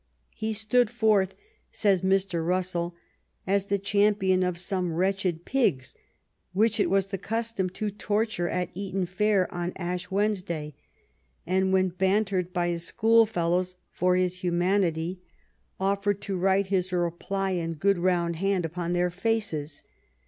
" He stood forth," says Mr. Russell, "as the champion of some wretched pigs which it was the custom to torture at Eton Fair on Ash Wednesday, and, when bantered by his schoolfellows for his humanity, offered to write lO THE STORY OF GLADSTONE'S LIFE his reply in good round hand upon their faces.''